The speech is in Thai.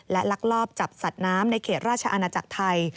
และลักลอบจับสัตว์น้ำในเขตราชอาณาจักรไทย